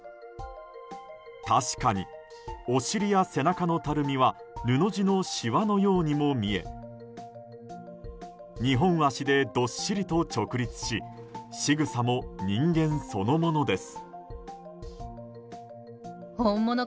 確かに、お尻や背中のたるみは布地のしわのようにも見え２本脚で、どっしりと直立ししぐさも人間そのものです。